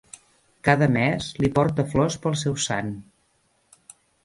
Cada mes li porta flors pel seu sant.